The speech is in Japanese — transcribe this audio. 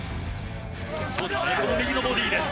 斎藤右のボディーです。